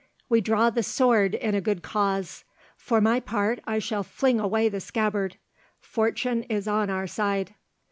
We draw the sword in a good cause; for my part I shall fling away the scabbard; Fortune is on our side."